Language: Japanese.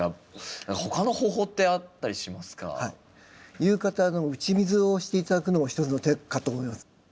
夕方打ち水をして頂くのも一つの手かと思います。